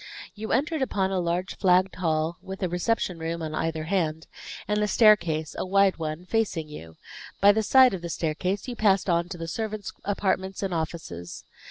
You entered upon a large flagged hall with a reception room on either hand, and the staircase, a wide one, facing you; by the side of the staircase you passed on to the servants' apartments and offices.